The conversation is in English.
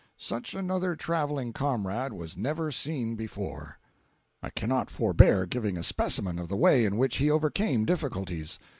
Such another traveling comrade was never seen before. I cannot forbear giving a specimen of the way in which he overcame difficulties.